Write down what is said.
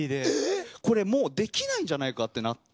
これもうできないんじゃないかってなって。